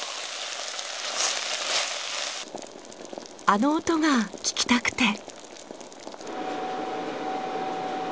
あの音が聞きたくて。